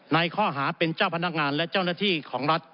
ในข้อหาเป็นเจ้าพนักงานและเจ้าหน้าที่ของรัฐ